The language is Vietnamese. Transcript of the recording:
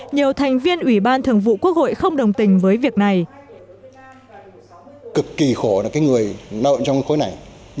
nhiều thành viên ủy ban thường vụ quốc hội không đồng tình với việc này